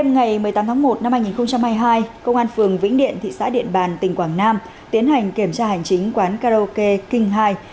ngoan phường vĩnh điện thị xã điện bàn tỉnh quảng nam tiến hành kiểm tra hành chính quán karaoke king hai